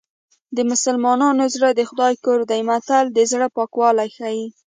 د مسلمان زړه د خدای کور دی متل د زړه پاکوالی ښيي